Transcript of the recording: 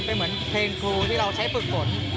เป็นเหมือนเพลงครูที่เราใช้ฝึกฝน